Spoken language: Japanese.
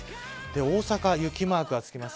大阪は雪マークが付きました。